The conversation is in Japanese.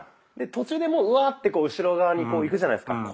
で途中でもううわってこう後ろ側にいくじゃないですか。